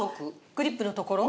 グリップのところ？